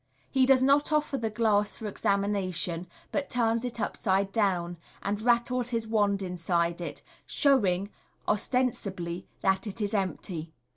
He does not offer the glass for examination, but turns it upside down, and rattles his wand inside it, showing, ostensibly, that it is empty.